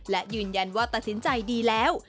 และยืนยันว่าตัดสินใจดีแล้ว